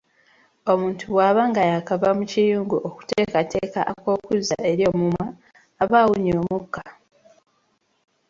Omuntu bw'aba nga yaakava mu kiyungu okuteekateeka ak'okuzza eri omumwa, aba awunya omukka.